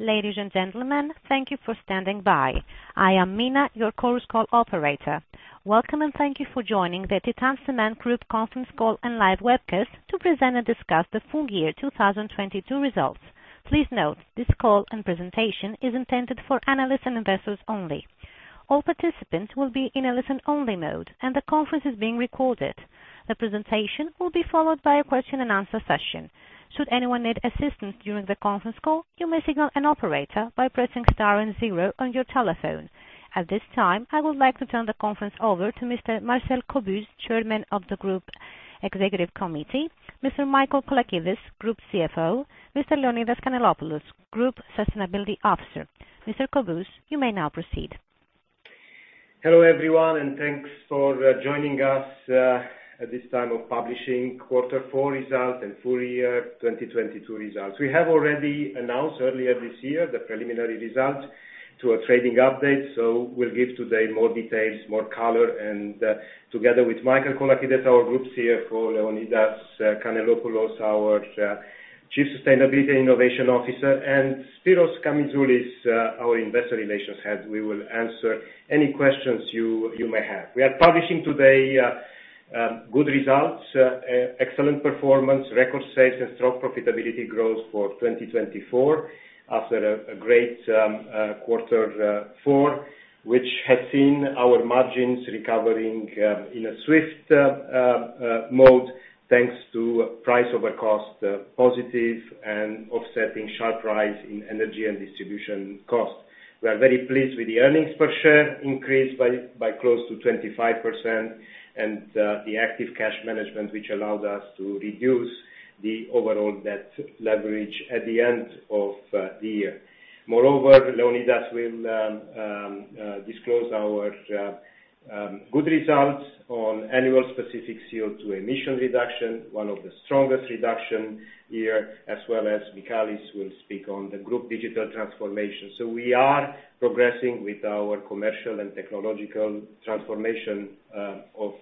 Ladies and gentlemen, thank you for standing by. I am Mina, your chorus call operator. Welcome, and thank you for joining the Titan Cement Group conference call and live webcast to present and discuss the full year 2022 results. Please note this call and presentation is intended for analysts and investors only. All participants will be in a listen-only mode, and the conference is being recorded. The presentation will be followed by a question and answer session. Should anyone need assistance during the conference call, you may signal an operator by pressing star and zero on your telephone. At this time, I would like to turn the conference over to Mr. Marcel Cobuz, Chairman of the Group Executive Committee, Mr. Michael Colakides, Group CFO, Mr. Leonidas Canellopoulos, Group Sustainability Officer. Mr. Cobuz, you may now proceed. Hello, everyone, thanks for joining us at this time of publishing Q4 results and full year 2022 results. We have already announced earlier this year the preliminary results to a trading update. We'll give today more details, more color. Together with Michael Colakides, our Group CFO, Leonidas Canellopoulos, our Chief Sustainability & Innovation Officer, and Spyros Kamizoulis, our Investor Relations Head, we will answer any questions you may have. We are publishing today good results, excellent performance, record sales, and strong profitability growth for 2024 after a great Q4, which has seen our margins recovering in a swift mode, thanks to price over cost positive and offsetting sharp rise in energy and distribution costs. We are very pleased with the earnings per share increased by close to 25% and the active cash management, which allowed us to reduce the overall debt leverage at the end of the year. Moreover, Leonidas will disclose our good results on annual specific CO2 emission reduction, one of the strongest reduction year. As well as Michael will speak on the group digital transformation. We are progressing with our commercial and technological transformation of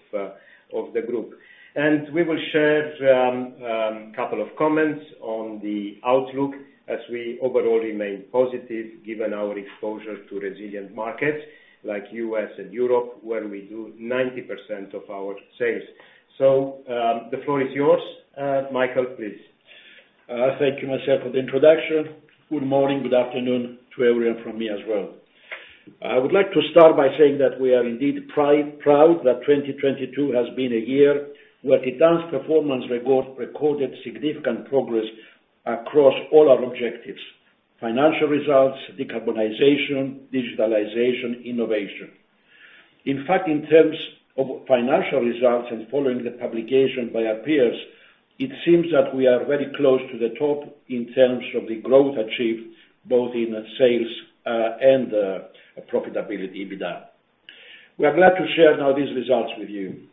the group. We will share couple of comments on the outlook as we overall remain positive given our exposure to resilient markets like US and Europe, where we do 90% of our sales. The floor is yours, Michael, please. Thank you, Marcel, for the introduction. Good morning, good afternoon to everyone from me as well. I would like to start by saying that we are indeed proud that 2022 has been a year where Titan's performance recorded significant progress across all our objectives, financial results, decarbonization, digitalization, innovation. In fact, in terms of financial results and following the publication by our peers, it seems that we are very close to the top in terms of the growth achieved, both in sales, and profitability, EBITDA. We are glad to share now these results with you.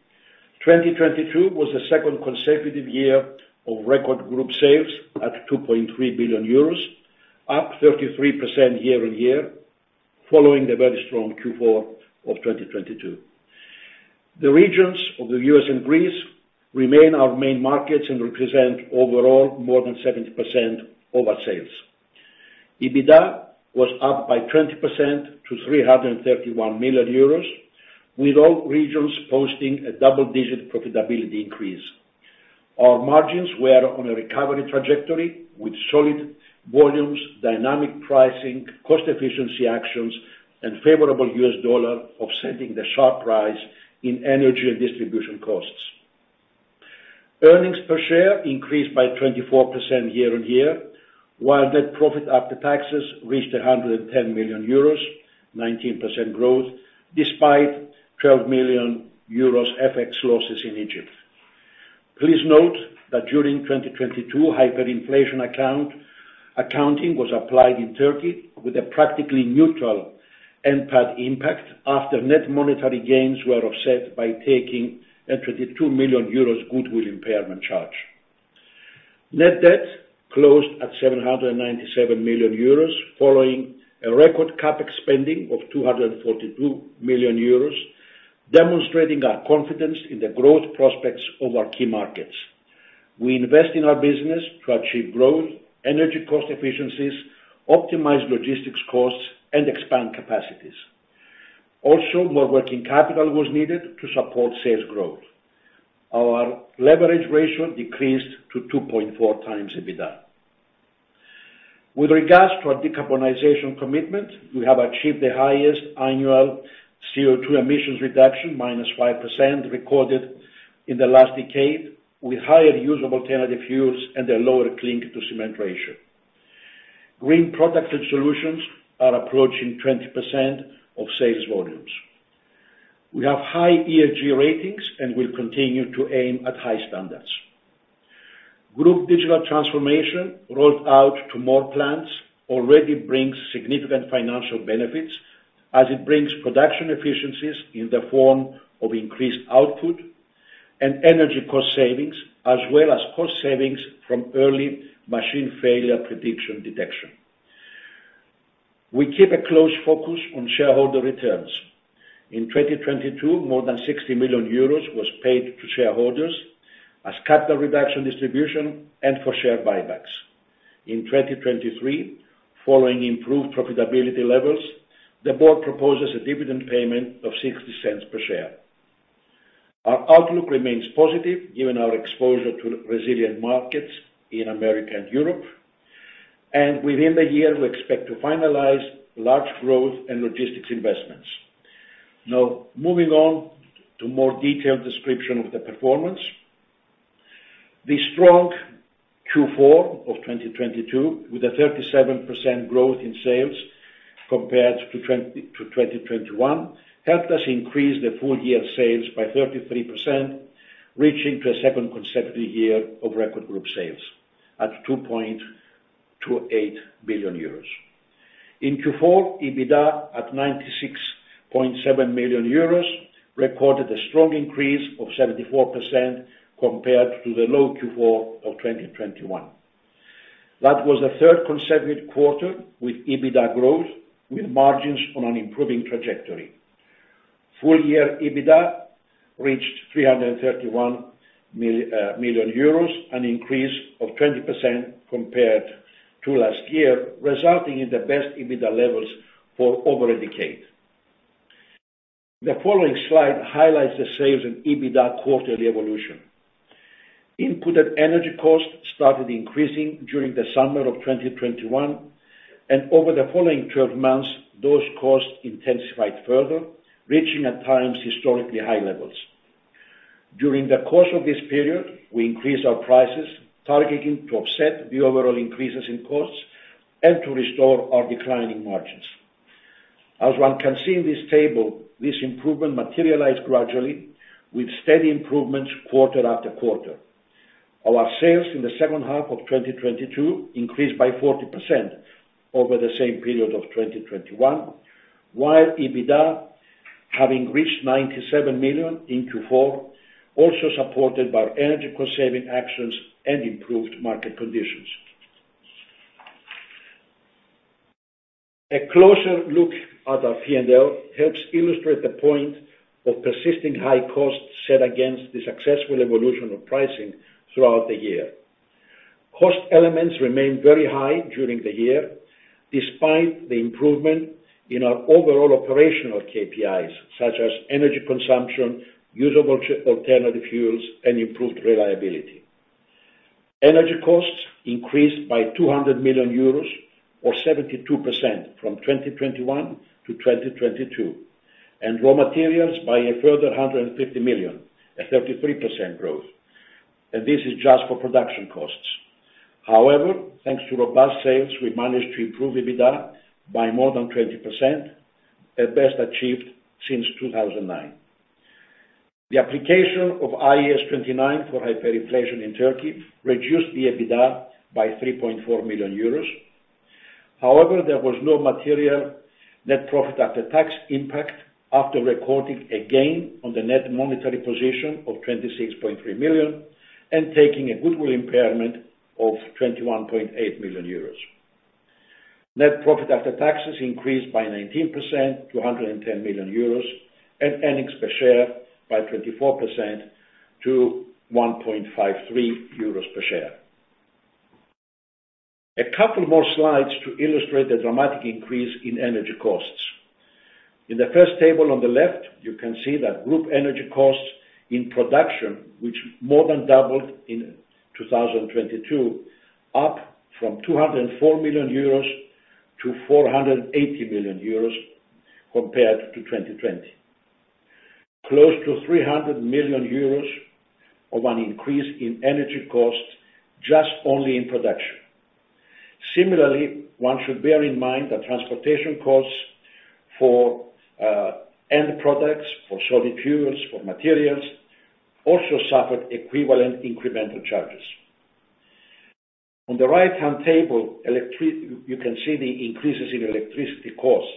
2022 was the second consecutive year of record group sales at 2.3 billion euros, up 33% year-on-year, following the very strong Q4 of 2022. The regions of the U.S. and Greece remain our main markets and represent overall more than 70% of our sales. EBITDA was up by 20% to 331 million euros, with all regions posting a double-digit profitability increase. Our margins were on a recovery trajectory with solid volumes, dynamic pricing, cost efficiency actions, and favorable U.S. dollar offsetting the sharp rise in energy and distribution costs. Earnings per share increased by 24% year-on-year, while net profit after taxes reached 110 million euros, 19% growth, despite 12 million euros FX losses in Egypt. Please note that during 2022 hyperinflation accounting was applied in Turkey with a practically neutral NPAT impact after net monetary gains were offset by taking a 22 million euros goodwill impairment charge. Net debt closed at 797 million euros following a record CapEx spending of 242 million euros, demonstrating our confidence in the growth prospects of our key markets. We invest in our business to achieve growth, energy cost efficiencies, optimize logistics costs, and expand capacities. Also, more working capital was needed to support sales growth. Our leverage ratio decreased to 2.4x EBITDA. With regards to our decarbonization commitment, we have achieved the highest annual CO2 emissions reduction, -5%, recorded in the last decade, with higher use of alternative fuels and a lower clinker-to-cement ratio. Green products and solutions are approaching 20% of sales volumes. We have high ESG ratings and will continue to aim at high standards. Group digital transformation rolled out to more plants already brings significant financial benefits as it brings production efficiencies in the form of increased output and energy cost savings, as well as cost savings from early machine failure prediction detection. We keep a close focus on shareholder returns. In 2022, more than 60 million euros was paid to shareholders as capital reduction distribution and for share buybacks. In 2023, following improved profitability levels, the board proposes a dividend payment of 0.60 per share. Our outlook remains positive given our exposure to resilient markets in America and Europe, and within the year, we expect to finalize large growth and logistics investments. Moving on to more detailed description of the performance. The strong Q4 of 2022, with a 37% growth in sales compared to 2021, helped us increase the full year sales by 33%, reaching to a second consecutive year of record group sales at 2.28 billion euros. In Q4, EBITDA at 96.7 million euros, recorded a strong increase of 74% compared to the low Q4 of 2021. That was the third consecutive quarter with EBITDA growth, with margins on an improving trajectory. Full year EBITDA reached 331 million euros, an increase of 20% compared to last year, resulting in the best EBITDA levels for over a decade. The following slide highlights the sales in EBITDA quarterly evolution. Input at energy costs started increasing during the summer of 2021, and over the following 12 months, those costs intensified further, reaching at times historically high levels. During the course of this period, we increased our prices, targeting to offset the overall increases in costs and to restore our declining margins. As one can see in this table, this improvement materialized gradually with steady improvements quarter after quarter. Our sales in the second half of 2022 increased by 40% over the same period of 2021, while EBITDA, having reached 97 million in Q4, also supported by energy cost saving actions and improved market conditions. A closer look at our P&L helps illustrate the point of persisting high costs set against the successful evolution of pricing throughout the year. Cost elements remained very high during the year, despite the improvement in our overall operational KPIs, such as energy consumption, usable alternative fuels, and improved reliability. Energy costs increased by 200 million euros or 72% from 2021-2022, raw materials by a further 150 million, a 33% growth. This is just for production costs. However, thanks to robust sales, we managed to improve EBITDA by more than 20%, at best achieved since 2009. The application of IAS 29 for hyperinflation in Turkey reduced the EBITDA by 3.4 million euros. However, there was no material net profit after tax impact after recording a gain on the net monetary position of 26.3 million and taking a goodwill impairment of 21.8 million euros. Net profit after taxes increased by 19% to 110 million euros and earnings per share by 24% to 1.53 euros per share. A couple more slides to illustrate the dramatic increase in energy costs. In the first table on the left, you can see that group energy costs in production, which more than doubled in 2022, up from 204 million euros to 480 million euros compared to 2020. Close to 300 million euros of an increase in energy costs just only in production. Similarly, one should bear in mind that transportation costs for end products, for solid fuels, for materials also suffered equivalent incremental charges. On the right-hand table, you can see the increases in electricity costs,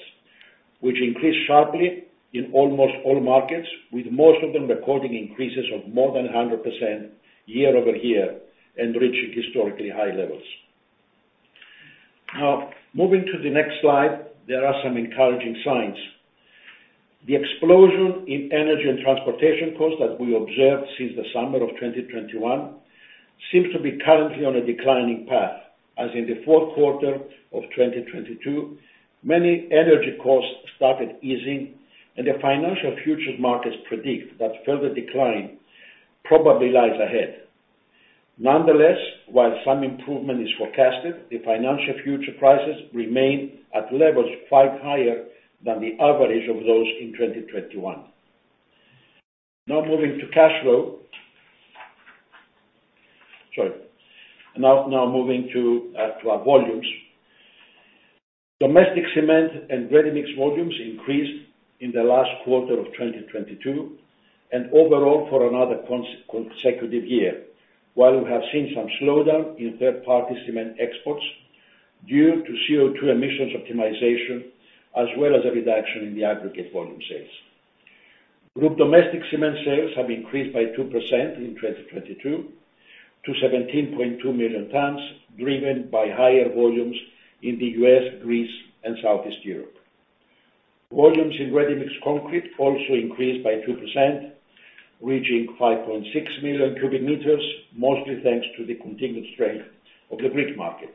which increased sharply in almost all markets, with most of them recording increases of more than 100% year-over-year and reaching historically high levels. Moving to the next slide, there are some encouraging signs. The explosion in energy and transportation costs that we observed since the summer of 2021 seems to be currently on a declining path, as in the fourth quarter of 2022, many energy costs started easing, and the financial futures markets predict that further decline probably lies ahead. Nonetheless, while some improvement is forecasted, the financial future prices remain at levels 5 higher than the average of those in 2021. Moving to cash flow. Sorry. Now moving to our volumes. Domestic cement and ready-mix volumes increased in the last quarter of 2022 and overall for another consecutive year. While we have seen some slowdown in third-party cement exports due to CO2 emissions optimization, as well as a reduction in the aggregate volume sales. Group domestic cement sales have increased by 2% in 2022 to 17.2 million tons, driven by higher volumes in the U.S., Greece and Southeast Europe. Volumes in ready-mixed concrete also increased by 2%, reaching 5.6 million cubic meters, mostly thanks to the continued strength of the Greek market.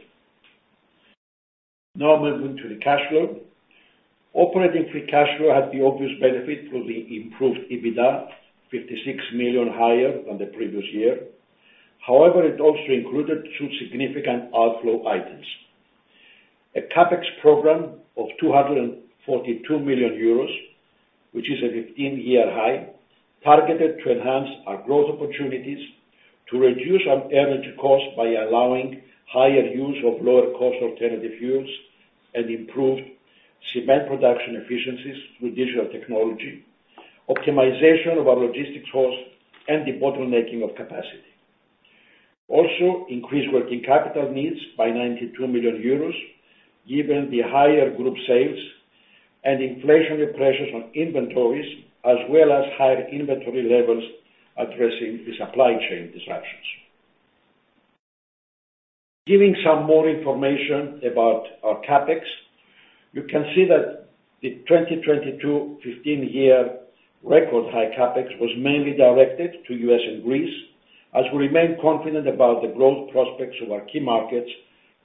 Moving to the cash flow. Operating free cash flow had the obvious benefit through the improved EBITDA, 56 million higher than the previous year. It also included two significant outflow items. A CapEx program of 242 million euros, which is a 15-year high, targeted to enhance our growth opportunities to reduce our energy cost by allowing higher use of lower cost alternative fuels and improved cement production efficiencies with digital technology, optimization of our logistics cost, and debottlenecking of capacity. Increased working capital needs by 92 million euros, given the higher group sales and inflationary pressures on inventories, as well as higher inventory levels addressing the supply chain disruptions. Giving some more information about our CapEx. You can see that the 2022 15-year record high CapEx was mainly directed to U.S. and Greece, as we remain confident about the growth prospects of our key markets,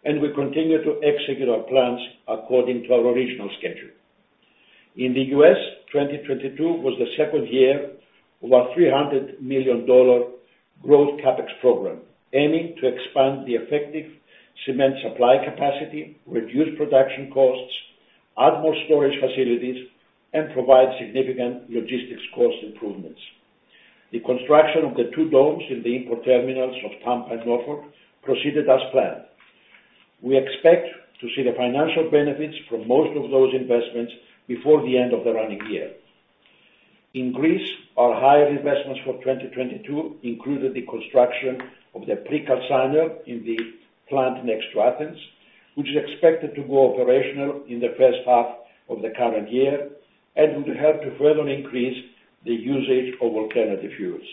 and we continue to execute our plans according to our original schedule. In the U.S., 2022 was the second year of our $300 million growth CapEx program, aiming to expand the effective cement supply capacity, reduce production costs, add more storage facilities, and provide significant logistics cost improvements. The construction of the 2 domes in the import terminals of Tampa and Norfolk proceeded as planned. We expect to see the financial benefits from most of those investments before the end of the running year. In Greece, our higher investments for 2022 included the construction of the precalciner in the plant next to Athens, which is expected to go operational in the first half of the current year, and will help to further increase the usage of alternative fuels.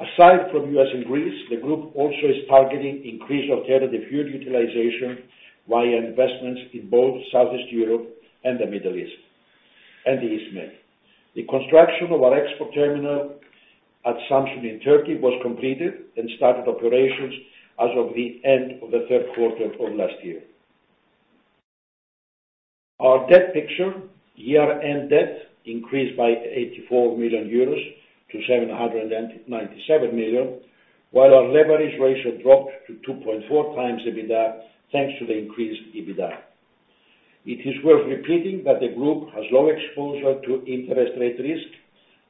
Aside from U.S. and Greece, the group also is targeting increased alternative fuel utilization via investments in both Southeast Europe and the Middle East, and the East Med. The construction of our export terminal at Samsun in Turkey was completed and started operations as of the end of the third quarter of last year. Our debt picture. Year-end debt increased by 84 million euros to 797 million, while our leverage ratio dropped to 2.4x EBITDA, thanks to the increased EBITDA. It is worth repeating that the group has low exposure to interest rate risk,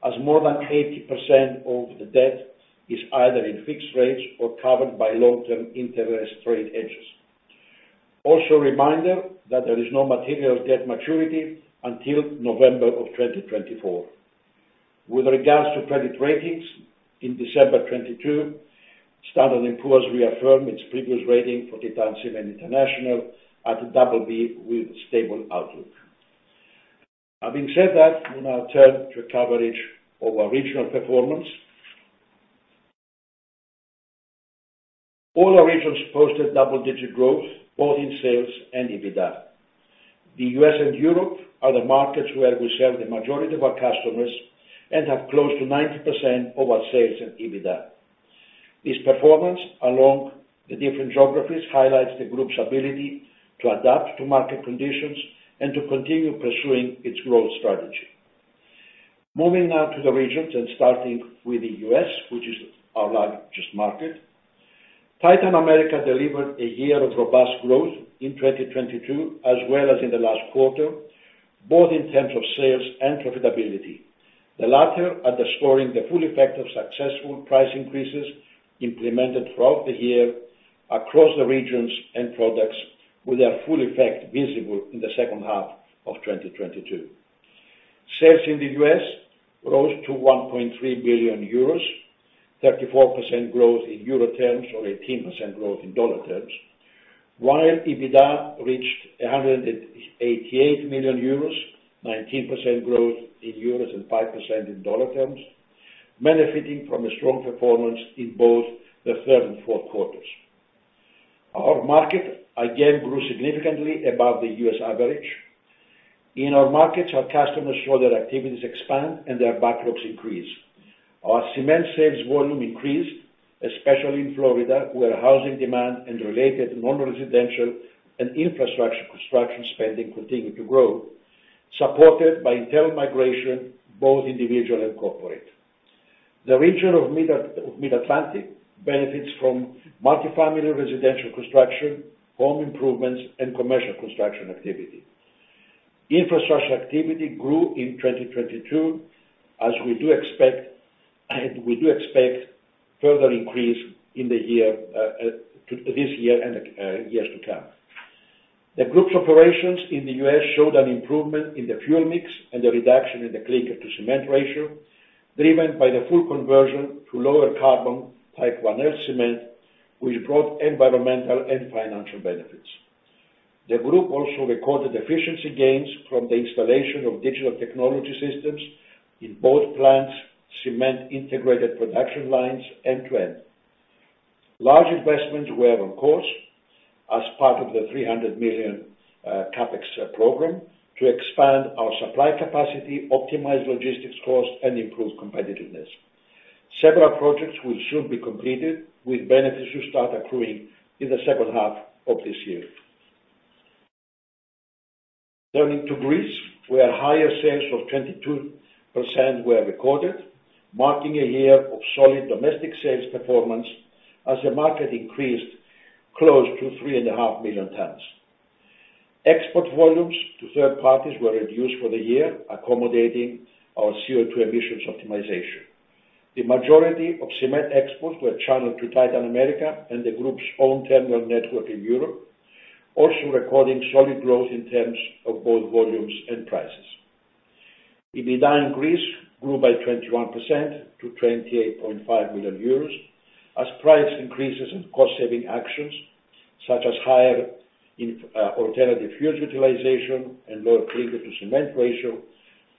as more than 80% of the debt is either in fixed rates or covered by long-term interest rate hedges. Reminder that there is no material debt maturity until November 2024. With regards to credit ratings, in December 2022, Standard and Poor's reaffirmed its previous rating for Titan Cement International at BB with stable outlook. Having said that, we now turn to coverage of our regional performance. All our regions posted double-digit growth, both in sales and EBITDA. The U.S. and Europe are the markets where we serve the majority of our customers and have close to 90% of our sales in EBITDA. This performance, along the different geographies, highlights the group's ability to adapt to market conditions and to continue pursuing its growth strategy. Moving now to the regions and starting with the U.S., which is our largest market. Titan America delivered a year of robust growth in 2022, as well as in the last quarter, both in terms of sales and profitability. The latter are the scoring the full effect of successful price increases implemented throughout the year across the regions and products with their full effect visible in the second half of 2022. Sales in the U.S. rose to 1.3 billion euros, 34% growth in euro terms or 18% growth in dollar terms. EBITDA reached 188 million euros, 19% growth in euros and 5% in dollar terms, benefiting from a strong performance in both the Q3 and Q4. Our market, again, grew significantly above the U.S. average. In our markets, our customers saw their activities expand and their backlogs increase. Our cement sales volume increased, especially in Florida, where housing demand and related non-residential and infrastructure construction spending continued to grow, supported by in-migration, both individual and corporate. The region of Mid-Atlantic benefits from multifamily residential construction, home improvements, and commercial construction activity. Infrastructure activity grew in 2022, as we do expect and we do expect further increase in the year to this year and the years to come. The group's operations in the U.S. showed an improvement in the fuel mix and a reduction in the clinker-to-cement ratio, driven by the full conversion to lower carbon Type IL cement, which brought environmental and financial benefits. The group also recorded efficiency gains from the installation of digital technology systems in both plants, cement integrated production lines end-to-end. Large investments were on course as part of the 300 million CapEx program to expand our supply capacity, optimize logistics costs, and improve competitiveness. Several projects will soon be completed, with benefits to start accruing in the second half of this year. Turning to Greece, where higher sales of 22% were recorded, marking a year of solid domestic sales performance as the market increased close to 3.5 million tons. Export volumes to third parties were reduced for the year, accommodating our CO₂ emissions optimization. The majority of cement exports were channeled to Titan America and the group's own terminal network in Europe, also recording solid growth in terms of both volumes and prices. EBITDA in Greece grew by 21% to 28.5 million euros as price increases and cost-saving actions, such as higher alternative fuel utilization and lower clinker-to-cement ratio,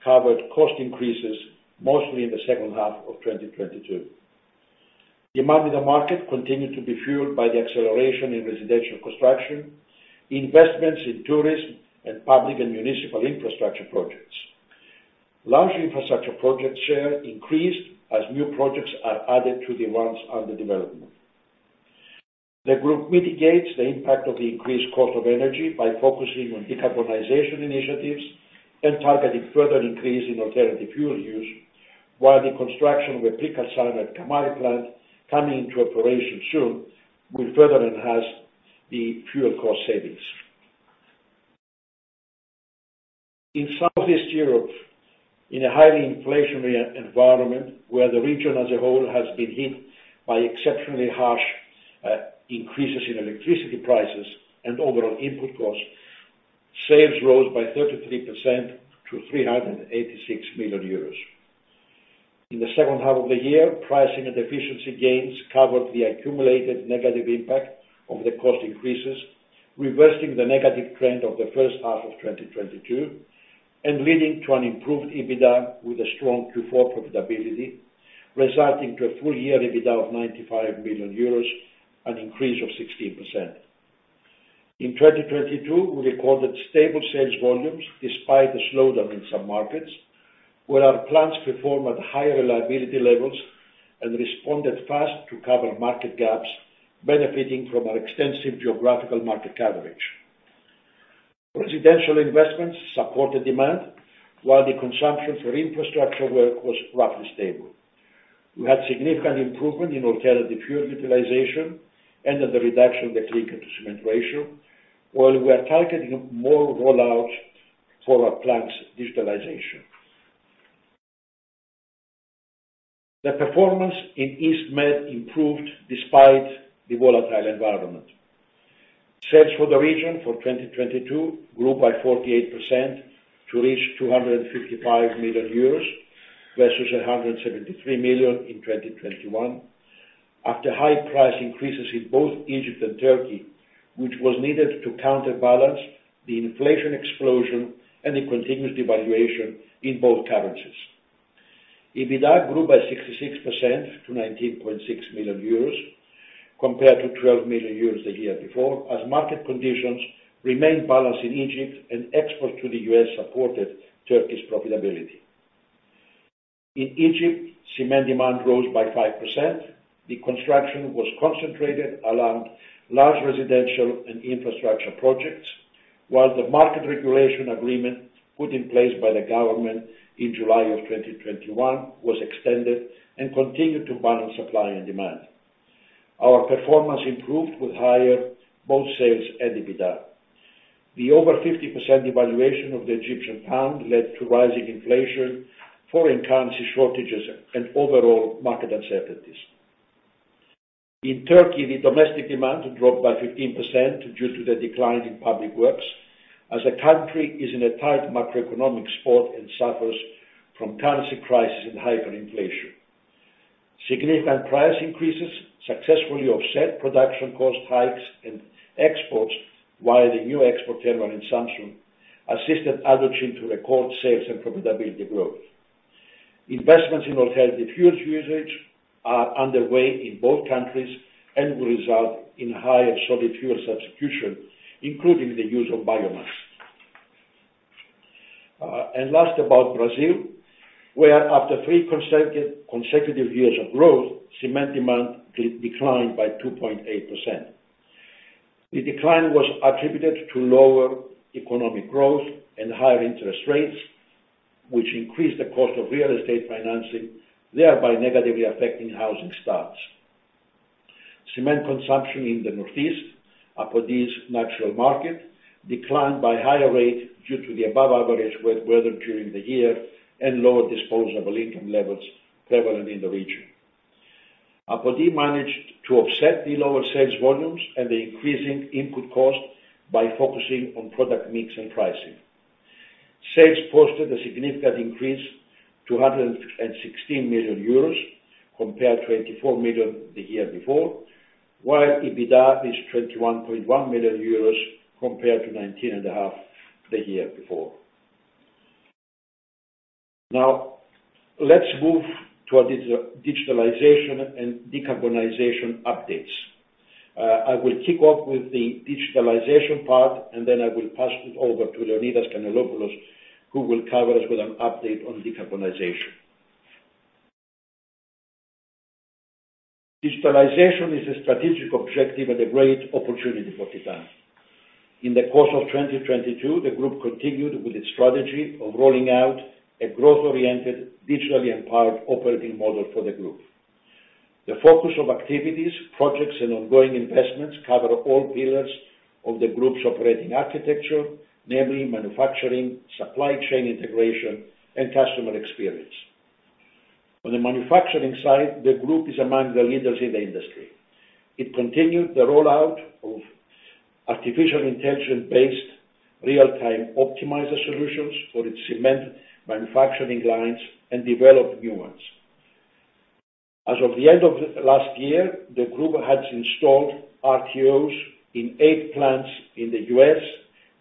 covered cost increases mostly in the H2 of 2022. Demand in the market continued to be fueled by the acceleration in residential construction, investments in tourism, and public and municipal infrastructure projects. Large infrastructure project share increased as new projects are added to the ones under development. The group mitigates the impact of the increased cost of energy by focusing on decarbonization initiatives and targeting further increase in alternative fuel use, while the construction of the peak shaving Kamari plant coming into operation soon will further enhance the fuel cost savings. In Southeast Europe, in a highly inflationary environment where the region as a whole has been hit by exceptionally harsh increases in electricity prices and overall input costs, sales rose by 33% to 386 million euros. In the second half of the year, pricing and efficiency gains covered the accumulated negative impact of the cost increases, reversing the negative trend of the H1 of 2022 and leading to an improved EBITDA with a strong Q4 profitability, resulting to a full year EBITDA of 95 million euros, an increase of 16%. In 2022, we recorded stable sales volumes despite the slowdown in some markets, where our plants performed at higher reliability levels and responded fast to cover market gaps, benefiting from our extensive geographical market coverage. Residential investments supported demand, while the consumption for infrastructure work was roughly stable. We had significant improvement in alternative fuel utilization and the reduction of the clinker-to-cement ratio, while we are targeting more rollout for our plants' digitalization. The performance in East Med improved despite the volatile environment. Sales for the region for 2022 grew by 48% to reach 255 million euros versus 173 million in 2021. After high price increases in both Egypt and Turkey, which was needed to counterbalance the inflation explosion and the continuous devaluation in both currencies. EBITDA grew by 66% to 19.6 million euros compared to 12 million euros the year before, as market conditions remained balanced in Egypt and exports to the U.S. supported Turkey's profitability. In Egypt, cement demand rose by 5%. The construction was concentrated around large residential and infrastructure projects, while the market regulation agreement put in place by the government in July of 2021 was extended and continued to balance supply and demand. Our performance improved with higher both sales and EBITDA. The over 50% devaluation of the Egyptian pound led to rising inflation, foreign currency shortages, and overall market uncertainties. In Turkey, the domestic demand dropped by 15% due to the decline in public works, as the country is in a tight macroeconomic spot and suffers from currency crisis and hyperinflation. Significant price increases successfully offset production cost hikes and exports, while the new export terminal in Samsun assisted Adana to record sales and profitability growth. Investments in alternative fuel usage are underway in both countries and will result in higher solid fuel substitution, including the use of biomass. Last, about Brazil, where after three consecutive years of growth, cement demand declined by 2.8%. The decline was attributed to lower economic growth and higher interest rates, which increased the cost of real estate financing, thereby negatively affecting housing starts. Cement consumption in the Northeast, Apodi's natural market, declined by higher rate due to the above-average wet weather during the year and lower disposable income levels prevalent in the region. Apodi managed to offset the lower sales volumes and the increasing input cost by focusing on product mix and pricing. Sales posted a significant increase to 116 million euros, compared to 84 million the year before, while EBITDA is 21.1 million euros compared to 19.5 million the year before. Let's move to our digitalization and decarbonization updates. I will kick off with the digitalization part, then I will pass it over to Leonidas Canellopoulos, who will cover us with an update on decarbonization. Digitalization is a strategic objective and a great opportunity for Titan. In the course of 2022, the group continued with its strategy of rolling out a growth-oriented, digitally empowered operating model for the group. The focus of activities, projects and ongoing investments cover all pillars of the group's operating architecture, namely manufacturing, supply chain integration, and customer experience. On the manufacturing side, the group is among the leaders in the industry. It continued the rollout of artificial intelligence-based real-time optimizer solutions for its cement manufacturing lines and developed new ones. As of the end of last year, the group had installed RTOs in eight plants in the U.S.,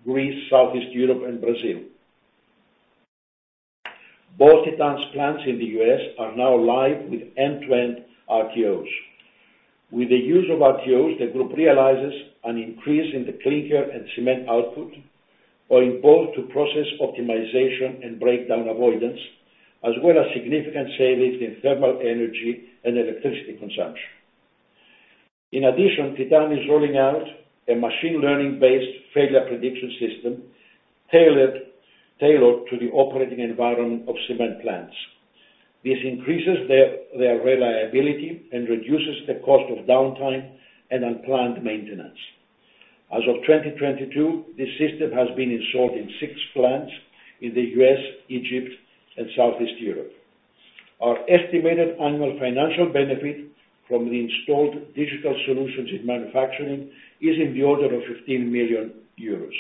Greece, Southeast Europe, and Brazil. Both Titan's plants in the U.S. are now live with end-to-end RTOs. With the use of RTOs, the group realizes an increase in the clinker and cement output, owing both to process optimization and breakdown avoidance, as well as significant savings in thermal energy and electricity consumption. In addition, Titan is rolling out a machine learning-based failure prediction system tailored to the operating environment of cement plants. This increases their reliability and reduces the cost of downtime and unplanned maintenance. As of 2022, this system has been installed in 6 plants in the U.S., Egypt, and Southeast Europe. Our estimated annual financial benefit from the installed digital solutions in manufacturing is in the order of 15 million euros.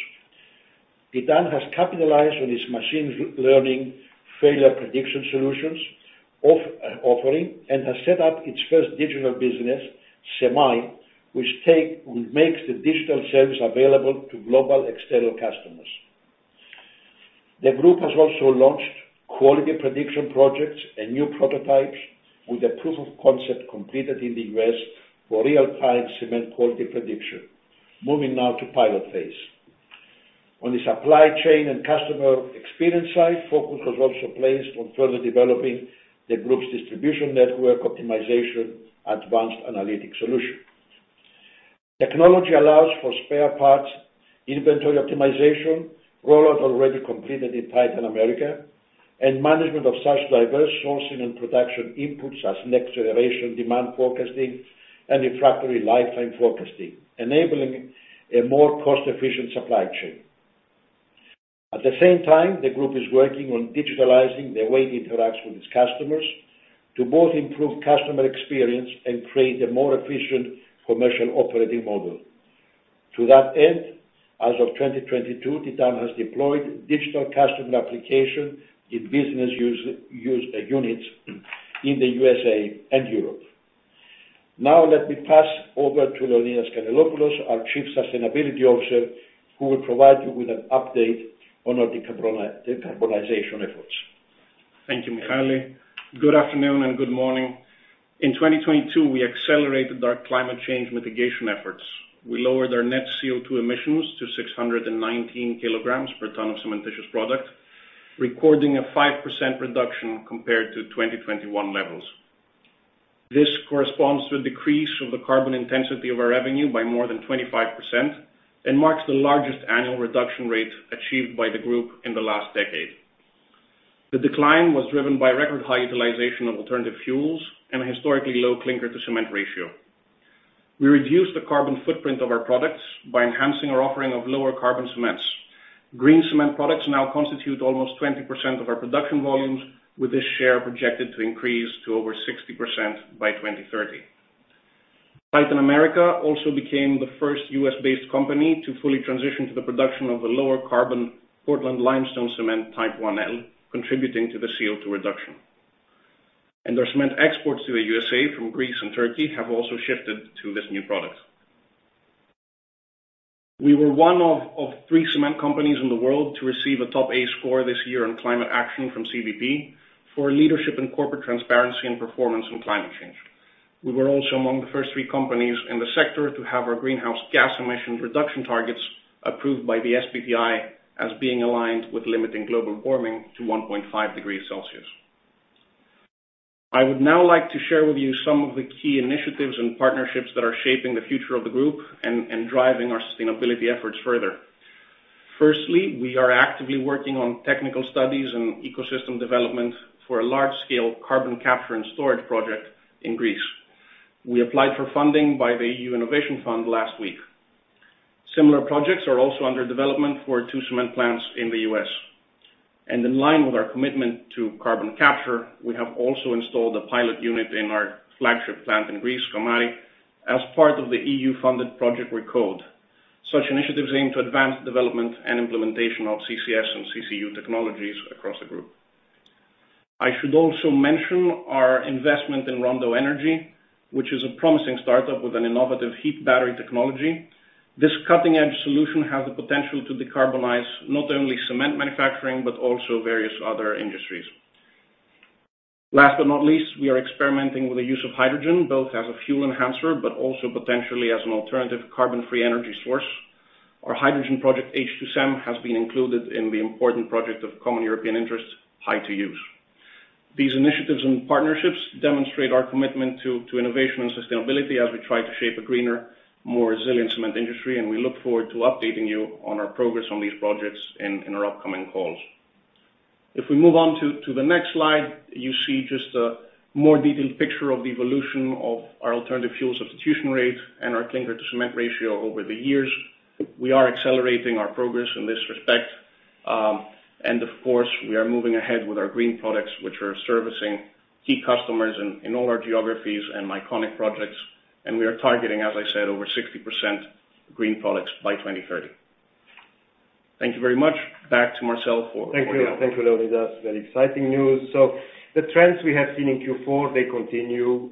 Titan has capitalized on its machine learning failure prediction solutions offering, and has set up its first digital business, CemAI, which makes the digital service available to global external customers. The group has also launched quality prediction projects and new prototypes with a proof of concept completed in the U.S. for real-time cement quality prediction. Moving now to pilot phase. On the supply chain and customer experience side, focus was also placed on further developing the group's distribution network optimization, advanced analytic solution. Technology allows for spare parts inventory optimization, rollout already completed in Titan America, and management of such diverse sourcing and production inputs as next generation demand forecasting and refractory lifetime forecasting, enabling a more cost-efficient supply chain. At the same time, the group is working on digitalizing the way it interacts with its customers to both improve customer experience and create a more efficient commercial operating model. To that end, as of 2022, Titan has deployed digital customer application in business units in the USA and Europe. Let me pass over to Leonidas Canellopoulos, our Chief Sustainability Officer, who will provide you with an update on our decarbonization efforts. Thank you, Michael. Good afternoon and good morning. In 2022, we accelerated our climate change mitigation efforts. We lowered our net CO₂ emissions to 619 kilograms per ton of cementitious product, recording a 5% reduction compared to 2021 levels. This corresponds to a decrease of the carbon intensity of our revenue by more than 25% and marks the largest annual reduction rate achieved by the group in the last decade. The decline was driven by record high utilization of alternative fuels and a historically low clinker-to-cement ratio. We reduced the carbon footprint of our products by enhancing our offering of lower carbon cements. Green cement products now constitute almost 20% of our production volumes, with this share projected to increase to over 60% by 2030. Titan America also became the first U.S.-based company to fully transition to the production of a lower carbon Portland limestone cement Type IL, contributing to the CO₂ reduction. Our cement exports to the U.S.A. from Greece and Turkey have also shifted to this new product. We were one of 3 cement companies in the world to receive a top A score this year on climate action from CDP for leadership in corporate transparency and performance on climate change. We were also among the first 3 companies in the sector to have our greenhouse gas emission reduction targets approved by the SBTi as being aligned with limiting global warming to 1.5 degrees Celsius. I would now like to share with you some of the key initiatives and partnerships that are shaping the future of the Group and driving our sustainability efforts further. Firstly, we are actively working on technical studies and ecosystem development for a large-scale carbon capture and storage project in Greece. We applied for funding by the E.U. Innovation Fund last week. Similar projects are also under development for two cement plants in the U.S. In line with our commitment to carbon capture, we have also installed a pilot unit in our flagship plant in Greece, Kamari. As part of the E.U.-funded project RECODE. Such initiatives aim to advance development and implementation of CCS and CCU technologies across the group. I should also mention our investment in Rondo Energy, which is a promising start-up with an innovative heat battery technology. This cutting-edge solution has the potential to decarbonize not only cement manufacturing, but also various other industries. Last but not least, we are experimenting with the use of hydrogen, both as a fuel enhancer but also potentially as an alternative carbon-free energy source. Our hydrogen project, H2CEM, has been included in the Important Project of Common European Interest, Hy2Use. These initiatives and partnerships demonstrate our commitment to innovation and sustainability as we try to shape a greener, more resilient cement industry. We look forward to updating you on our progress on these projects in our upcoming calls. If we move on to the next slide, you see just a more detailed picture of the evolution of our alternative fuel substitution rate and our clinker-to-cement ratio over the years. We are accelerating our progress in this respect, and of course, we are moving ahead with our green products, which are servicing key customers in all our geographies and iconic projects. We are targeting, as I said, over 60% green products by 2030. Thank you very much. Back to Marcel. Thank you. Thank you, Leonidas. Very exciting news. The trends we have seen in Q4, they continue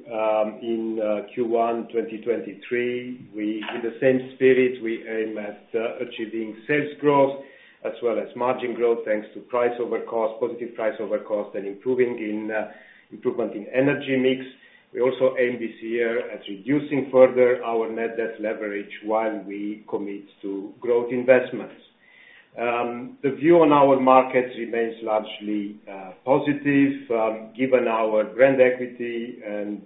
in Q1, 2023. We, in the same spirit, we aim at achieving sales growth as well as margin growth, thanks to price over cost, positive price over cost, and improvement in energy mix. We also aim this year at reducing further our net debt leverage while we commit to growth investments. The view on our markets remains largely positive given our brand equity and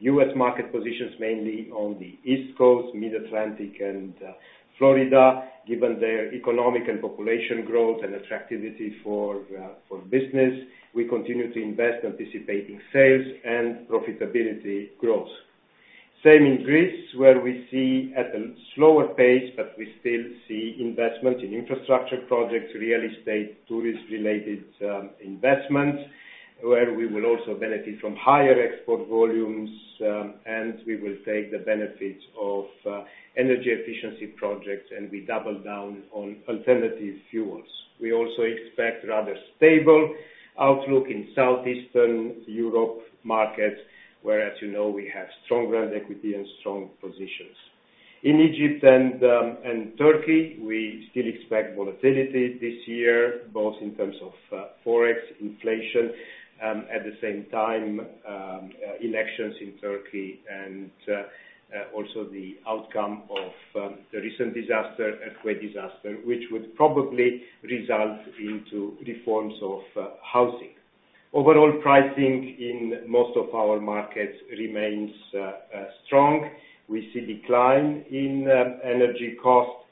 U.S. market positions, mainly on the East Coast, Mid-Atlantic and Florida, given their economic and population growth and attractivity for business. We continue to invest, anticipating sales and profitability growth. Same in Greece, where we see at a slower pace, but we still see investment in infrastructure projects, real estate, tourist-related investments, where we will also benefit from higher export volumes, and we will take the benefits of energy efficiency projects, and we double down on alternative fuels. We also expect rather stable outlook in Southeastern Europe markets, where, as you know, we have strong brand equity and strong positions. In Egypt and Turkey, we still expect volatility this year, both in terms of Forex, inflation, at the same time, elections in Turkey and also the outcome of the recent disaster, earthquake disaster, which would probably result into reforms of housing. Overall pricing in most of our markets remains strong. We see decline in energy costs,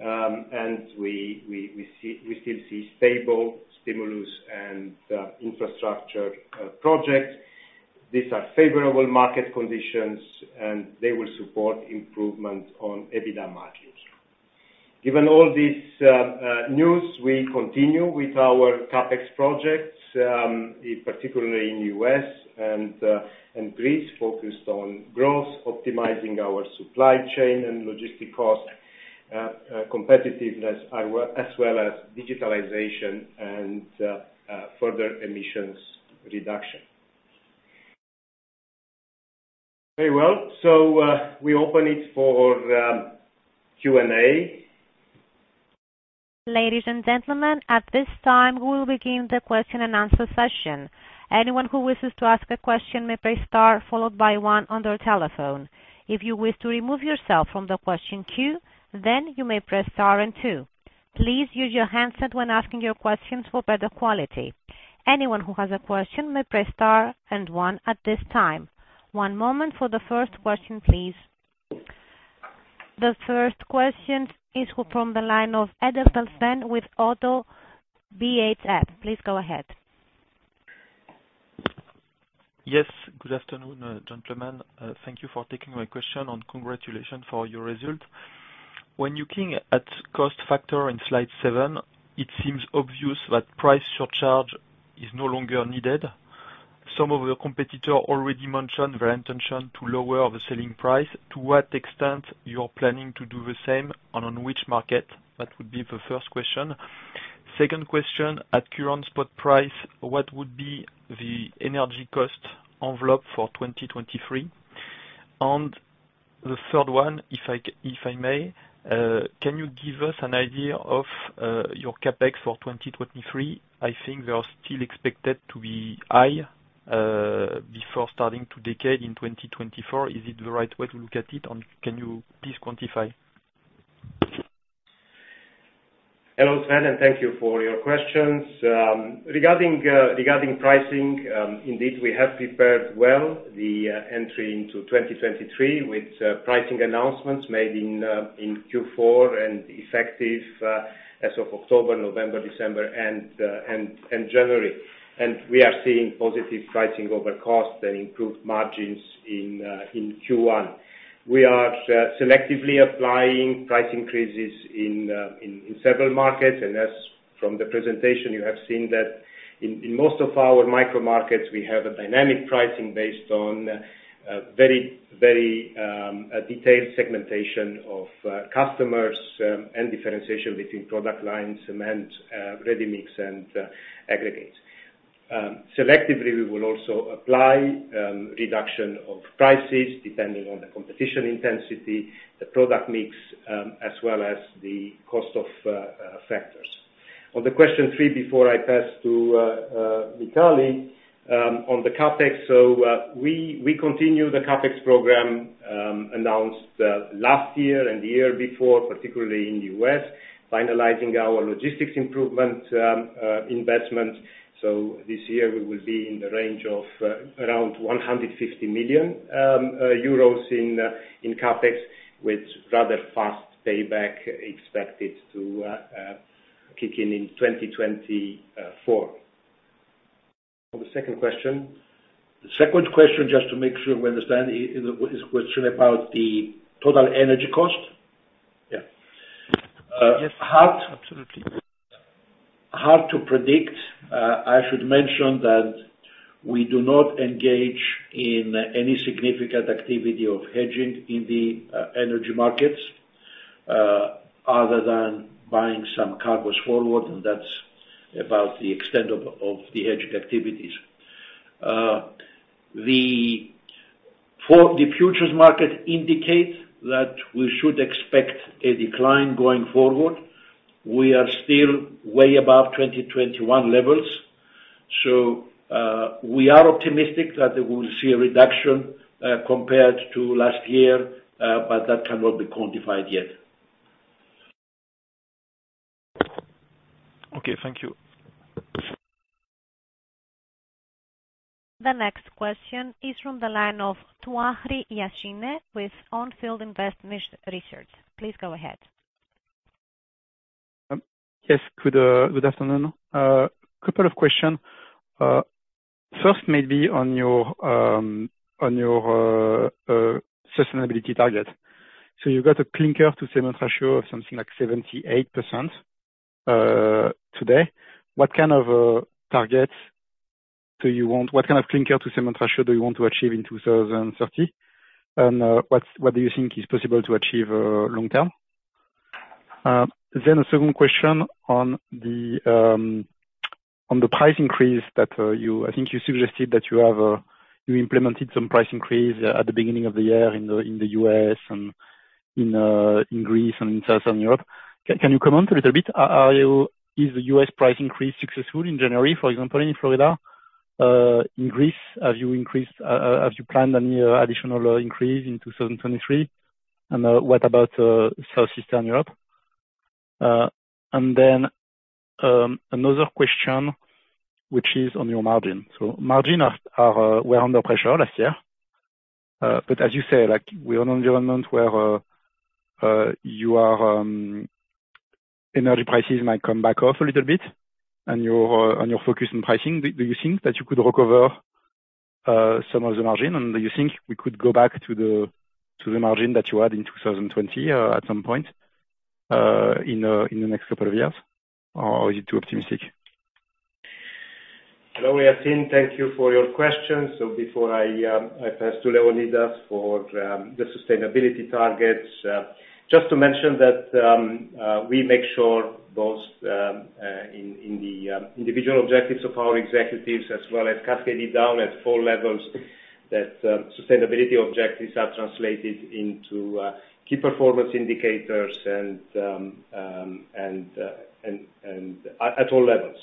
and we still see stable stimulus and infrastructure projects. These are favorable market conditions, and they will support improvement on EBITDA margins. Given all this news, we continue with our CapEx projects, particularly in U.S. and Greece, focused on growth, optimizing our supply chain and logistic cost competitiveness, as well as digitalization and further emissions reduction. Very well. We open it for Q&A. Ladies and gentlemen, at this time, we will begin the question and answer session. Anyone who wishes to ask a question may press star followed by one on their telephone. If you wish to remove yourself from the question queue, you may press star and two. Please use your handset when asking your questions for better quality. Anyone who has a question may press star and one at this time. 1 moment for the first question, please. The first question is from the line of Edelfelt with Oddo BHF. Please go ahead. Yes, good afternoon, gentlemen. Thank you for taking my question and congratulations for your result. When looking at cost factor in slide 7, it seems obvious that price surcharge is no longer needed. Some of your competitor already mentioned their intention to lower the selling price. To what extent you're planning to do the same, on which market? That would be the first question. Second question, at current spot price, what would be the energy cost envelope for 2023? The third one, if I may, can you give us an idea of your CapEx for 2023? I think they are still expected to be high before starting to decay in 2024. Is it the right way to look at it, can you please quantify? Hello, Sven. Thank you for your questions. Regarding pricing, indeed, we have prepared well the entry into 2023 with pricing announcements made in Q4 and effective as of October, November, December and January. We are seeing positive pricing over cost and improved margins in Q1. We are selectively applying price increases in several markets, and as from the presentation, you have seen that in most of our micromarkets, we have a dynamic pricing based on a detailed segmentation of customers and differentiation between product lines, cement, ready mix and aggregates. Selectively, we will also apply reduction of prices depending on the competition intensity, the product mix, as well as the cost of factors. On the question 3, before I pass to Vitaly on the CapEx. We continue the CapEx program announced last year and the year before, particularly in the U.S., finalizing our logistics improvement investment. This year we will be in the range of around 150 million euros in CapEx, with rather fast payback expected to kick in in 2024. On the second question. The second question, just to make sure we understand, is question about the total energy cost? Yeah. Uh, hard- Yes, absolutely. Hard to predict. I should mention that we do not engage in any significant activity of hedging in the energy markets, other than buying some cargos forward, and that's about the extent of the hedging activities. For the futures market indicate that we should expect a decline going forward. We are still way above 2021 levels. We are optimistic that we will see a reduction compared to last year, but that cannot be quantified yet. Okay, thank you. The next question is from the line of Touahri Yassine with On Field Investment Research. Please go ahead. Yes, good afternoon. A couple of questions. First, maybe on your sustainability target. You've got a clinker-to-cement ratio of something like 78% today. What kind of target do you want? What kind of clinker-to-cement ratio do you want to achieve in 2030? What do you think is possible to achieve long term? A second question on the price increase that you... I think you suggested that you have implemented some price increase at the beginning of the year in the U.S. and in Greece and in Southern Europe. Can you comment a little bit? Is the U.S. price increase successful in January, for example, in Florida? In Greece, have you increased, have you planned any additional increase in 2023? What about Southeastern Europe? Another question, which is on your margin. Margin are were under pressure last year. As you say, like, we're in an environment where your energy prices might come back off a little bit and your focus on pricing. Do you think that you could recover some of the margin? Do you think we could go back to the margin that you had in 2020 at some point in the next couple of years? Are you too optimistic? Hello, Yassine. Thank you for your questions. Before I pass to Leonidas for the sustainability targets. Just to mention that we make sure both in the individual objectives of our executives as well as cascaded down at four levels, that sustainability objectives are translated into key performance indicators and at all levels.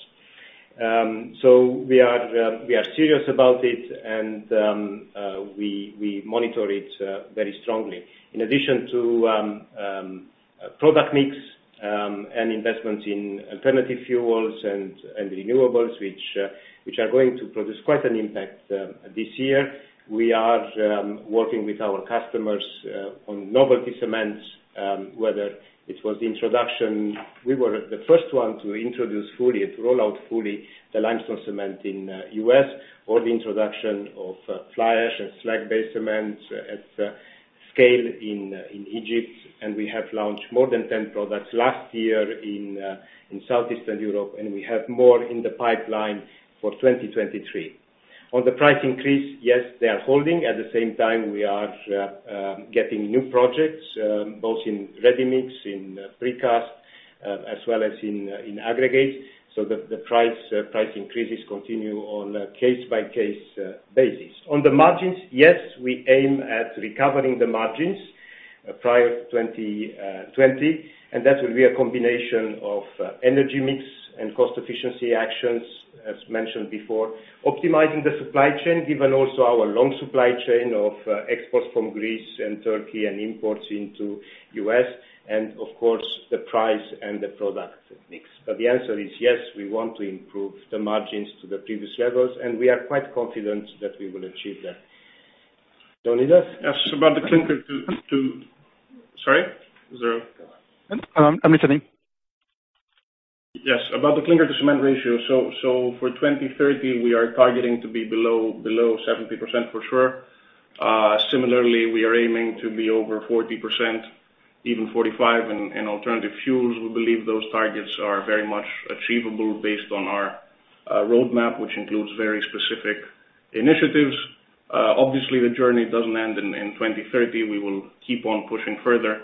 We are serious about it and we monitor it very strongly. In addition to product mix and investments in alternative fuels and renewables, which are going to produce quite an impact this year. We are working with our customers on novelty cements, whether it was the introduction... We were the first one to introduce fully, to roll out fully the limestone cement in U.S. or the introduction of fly ash and slag-based cements at scale in Egypt. We have launched more than 10 products last year in Southeastern Europe, and we have more in the pipeline for 2023. On the price increase, yes, they are holding. At the same time we are getting new projects, both in ready-mix, in pre-cast, as well as in aggregate, so the price increases continue on a case-by-case basis. On the margins, yes, we aim at recovering the margins prior to 2020, and that will be a combination of energy mix and cost efficiency actions, as mentioned before. Optimizing the supply chain, given also our long supply chain of exports from Greece and Turkey and imports into U.S. and of course the price and the product mix. The answer is yes, we want to improve the margins to the previous levels, and we are quite confident that we will achieve that. Leonidas? Yes. About the clinker to. Sorry. I'm listening. Yes. About the clinker-to-cement ratio. For 2030, we are targeting to be below 70% for sure. Similarly, we are aiming to be over 40%, even 45 in alternative fuels. We believe those targets are very much achievable based on our roadmap, which includes very specific initiatives. Obviously the journey doesn't end in 2030. We will keep on pushing further.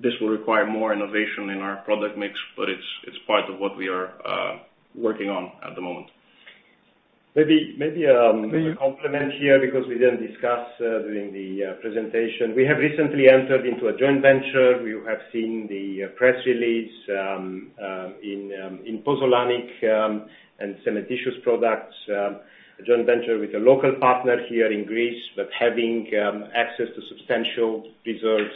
This will require more innovation in our product mix, but it's part of what we are working on at the moment. Maybe, a compliment here because we didn't discuss during the presentation. We have recently entered into a joint venture. You have seen the press release, in pozzolanic, and cementitious products. A joint venture with a local partner here in Greece, but having access to substantial reserves,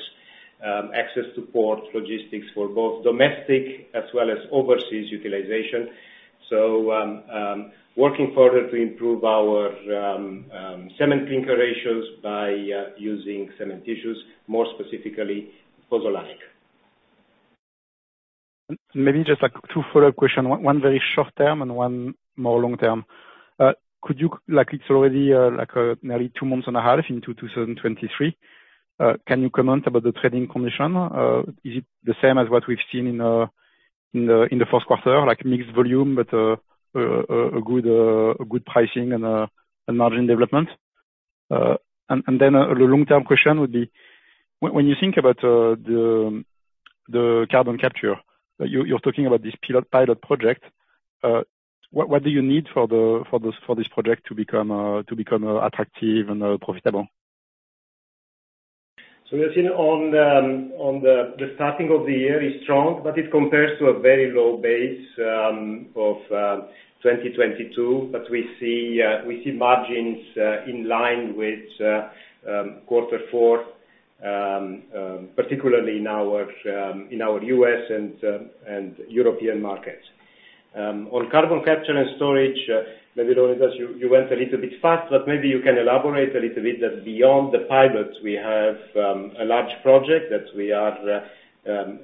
access to ports, logistics for both domestic as well as overseas utilization. Working further to improve our cement clinker ratios by using cementitious, more specifically pozzolanic. Maybe just like two follow-up question, one very short-term and one more long-term. Like, it's already, like, nearly two months and a half into 2023, can you comment about the trading condition? Is it the same as what we've seen in the first quarter, like mixed volume, but a good pricing and margin development? Then the long-term question would be: when you think about the carbon capture, you're talking about this pilot project. What do you need for this project to become attractive and profitable? As you know, the starting of the year is strong, but it compares to a very low base of 2022. We see margins in line with Q4, particularly in our US and European markets. On carbon capture and storage, maybe, Leonidas, you went a little bit fast, but maybe you can elaborate a little bit that beyond the pilots, we have a large project that we are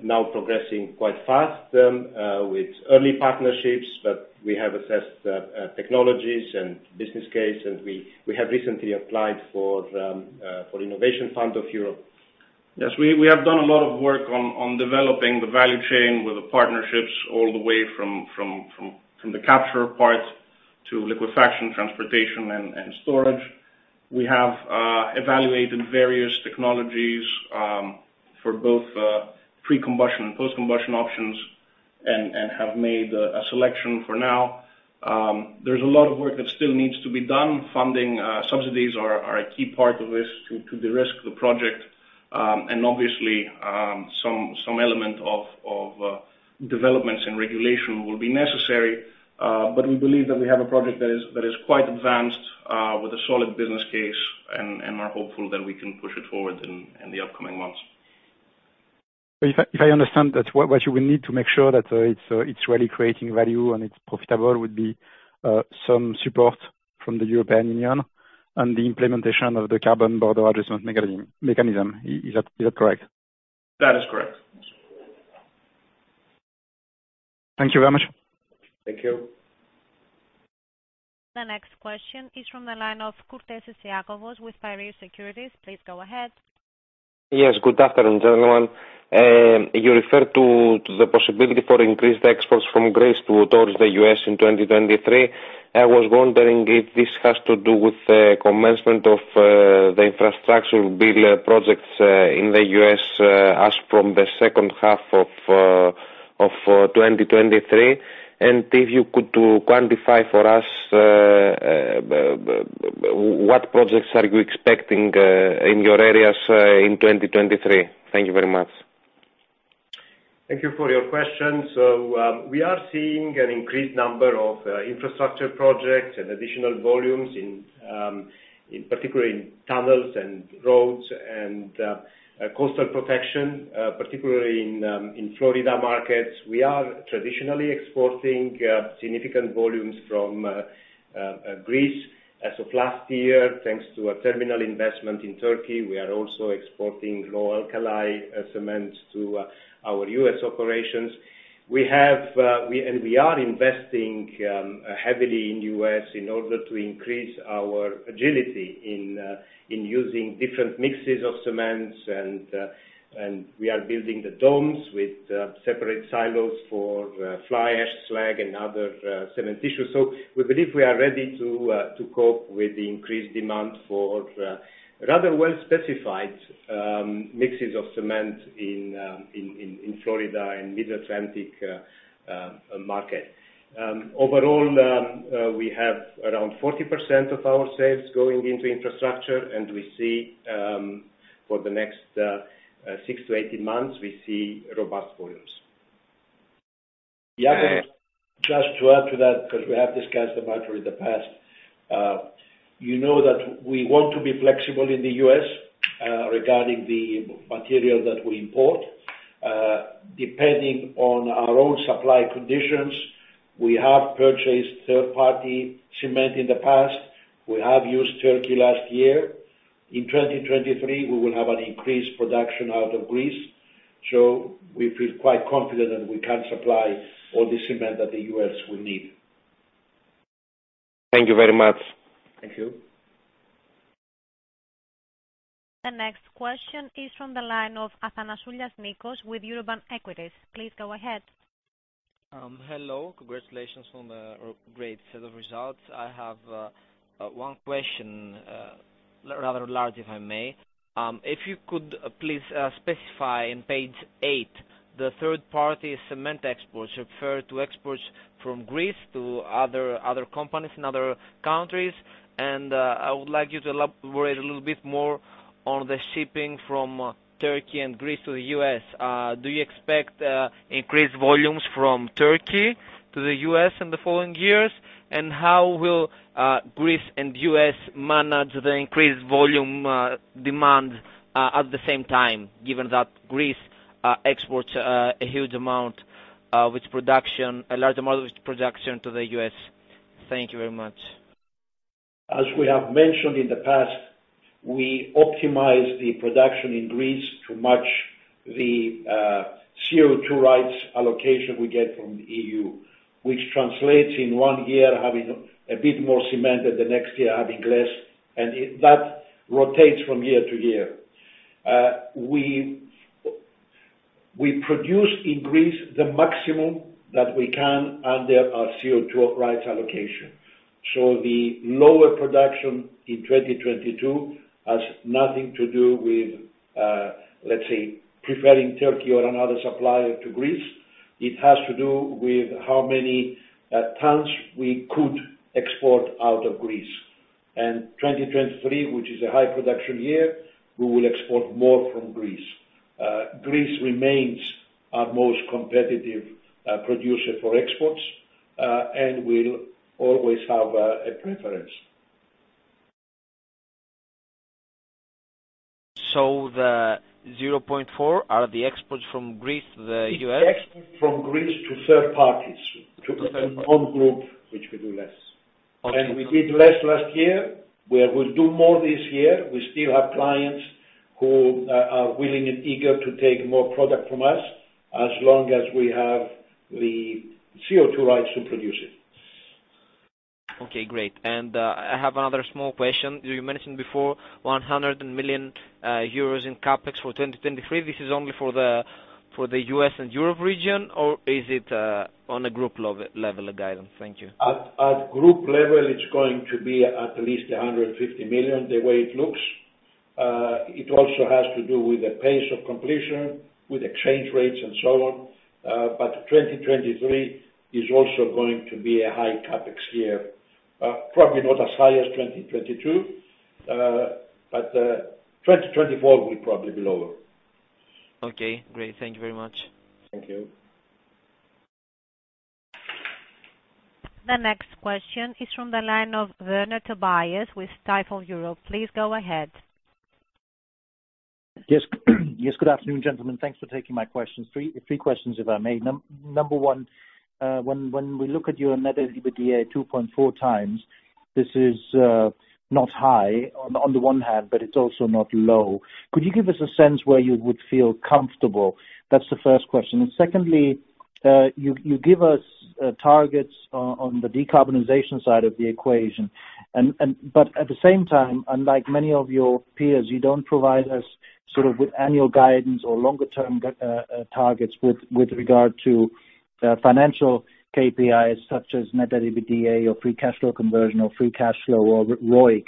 now progressing quite fast with early partnerships. We have assessed the technologies and business case, and we have recently applied for the Innovation Fund of Europe. Yes. We have done a lot of work on developing the value chain with the partnerships all the way from the capture part to liquefaction, transportation, and storage. We have evaluated various technologies for both pre-combustion and post-combustion options and have made a selection for now. There's a lot of work that still needs to be done. Funding, subsidies are a key part of this to de-risk the project. And obviously, some element of developments and regulation will be necessary. But we believe that we have a project that is quite advanced, with a solid business case, and we're hopeful that we can push it forward in the upcoming months. If I understand that, what you will need to make sure that it's really creating value and it's profitable would be some support from the European Union and the implementation of the Carbon Border Adjustment Mechanism. Is that correct? That is correct. Thank you very much. Thank you. The next question is from the line of Iakovos Kourtesis with Piraeus Securities. Please go ahead. Yes. Good afternoon, gentlemen. You referred to the possibility for increased exports from Greece towards the U.S. in 2023. I was wondering if this has to do with the commencement of the infrastructure build projects in the U.S. as from the second half of 2023. If you could to quantify for us what projects are you expecting in your areas in 2023? Thank you very much. Thank you for your question. We are seeing an increased number of infrastructure projects and additional volumes in particular in tunnels and roads and coastal protection, particularly in Florida markets. We are traditionally exporting significant volumes from Greece. As of last year, thanks to a terminal investment in Turkey, we are also exporting low-alkali cements to our U.S. operations. We are investing heavily in U.S. in order to increase our agility in using different mixes of cements. We are building the domes with separate silos for fly ash, slag, and other cementitious. We believe we are ready to cope with the increased demand for the rather well-specified mixes of cement in Florida and Mid-Atlantic market. Overall, we have around 40% of our sales going into infrastructure. We see for the next 6-18 months, robust volumes. Just to add to that, 'cause we have discussed about it in the past. you know that we want to be flexible in the U.S., regarding the material that we import. Depending on our own supply conditions, we have purchased third-party cement in the past. We have used Turkey last year. In 2023, we will have an increased production out of Greece. We feel quite confident that we can supply all the cement that the US will need. Thank you very much. Thank you. The next question is from the line of Athanasoulias Nikos with Eurobank Equities. Please go ahead. Hello. Congratulations on the great set of results. I have 1 question, rather large, if I may. If you could, please, specify in page 8, the third-party cement exports refer to exports from Greece to other companies in other countries. I would like you to elaborate a little bit more on the shipping from Turkey and Greece to the U.S. Do you expect increased volumes from Turkey to the U.S. in the following years? How will Greece and the U.S. manage the increased volume demand at the same time, given that Greece exports a huge amount with production, a large amount of its production to the U.S.? Thank you very much. As we have mentioned in the past, we optimize the production in Greece to match the CO2 rights allocation we get from the E.U., which translates in one year having a bit more cement than the next year having less. That rotates from year to year. We produce in Greece the maximum that we can under our CO2 rights allocation. The lower production in 2022 has nothing to do with, let's say, preferring Turkey or another supplier to Greece. It has to do with how many tons we could export out of Greece. Twenty twenty-three, which is a high production year, we will export more from Greece. Greece remains our most competitive producer for exports, and will always have a preference. The 0.4 are the exports from Greece to the U.S.? It's export from Greece to third parties. Okay. To non-group, which we do less. Okay. We did less last year. We'll do more this year. We still have clients who are willing and eager to take more product from us, as long as we have the CO2 rights to produce it. Okay, great. I have another small question. You mentioned before 100 million euros in CapEx for 2023. This is only for the U.S. and Europe region, or is it on a group level of guidance? Thank you. At group level, it's going to be at least 150 million, the way it looks. It also has to do with the pace of completion, with exchange rates and so on. 2023 is also going to be a high CapEx year. Probably not as high as 2022, but 2024 will probably be lower. Okay, great. Thank you very much. Thank you. The next question is from the line of Werner Tobias with Kepler Cheuvreux. Please go ahead. Yes, good afternoon, gentlemen. Thanks for taking my questions. Three questions if I may. Number one, when we look at your net EBITDA 2.4x, this is not high on the one hand, but it's also not low. Could you give us a sense where you would feel comfortable? That's the first question. Secondly, you give us targets on the decarbonization side of the equation. But at the same time, unlike many of your peers, you don't provide us sort of with annual guidance or longer-term targets with regard to financial KPIs such as net EBITDA or free cash flow conversion or free cash flow or ROIC.